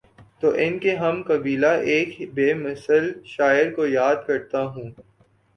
تو ان کے ہم قبیلہ ایک بے مثل شاعرکو یا دکرتا ہوں۔